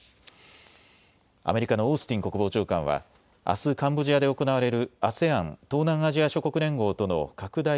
アメリカのオースティン国防長官は、あすカンボジアで行われるＡＳＥＡＮ・東南アジア諸国連合との拡大